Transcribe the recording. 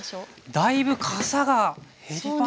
だいぶかさが減りましたね。